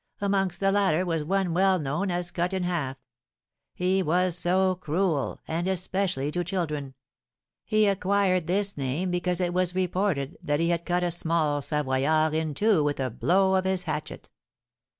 Amongst the latter was one well known as Cut in Half, he was so cruel, and especially to children. He acquired this name because it was reported that he had cut a small Savoyard in two with a blow of his hatchet."